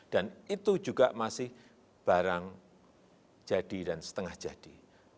dan itu juga masih barang jadi dan setengah jadi